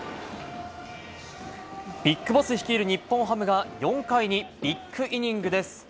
ＢＩＧＢＯＳＳ率いる日本ハムが、４回にビッグイニングです。